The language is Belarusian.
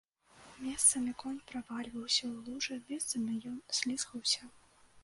Месцамі конь правальваўся ў лужы, месцамі ён слізгаўся.